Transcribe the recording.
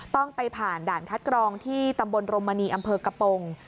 ต้องไปผ่านด่านคัดกรองที่ตำบลรมมณีอำเภอกระโปรง